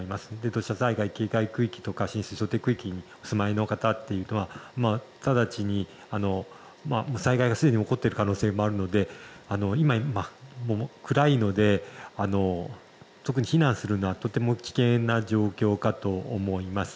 土砂災害警戒区域とか浸水想定区域にお住まいの方は災害がすでに起こっている可能性もあるので今は、もう暗いので避難するのはとても危険な状況かと思います。